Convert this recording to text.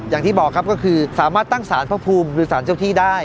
อย่างที่บอกครับก็คือสามารถตั้งสารพระภูมิหรือสารเจ้าที่ได้